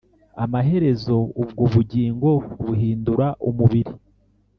amaherezo ubwo bugingo buhindura umubiri